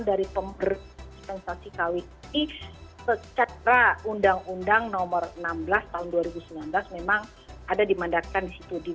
dari pembersi kawin ini secara undang undang nomor enam belas tahun dua ribu sembilan belas memang ada dimandatkan di situ